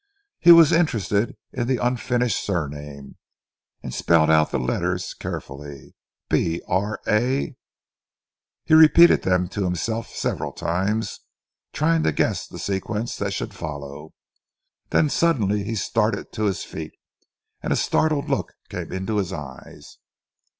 He was interested in the unfinished surname, and spelled out the letters carefully, "B r a." He repeated them to himself several times, trying to guess the sequence that should follow, then suddenly he started to his feet, and a startled look came into his eyes.